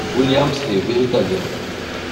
Williams est végétalien.